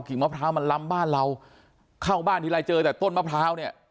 มะพร้าวมันล้ำบ้านเราเข้าบ้านทีไรเจอแต่ต้นมะพร้าวเนี่ย